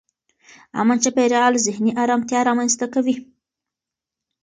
امن چاپېریال ذهني ارامتیا رامنځته کوي.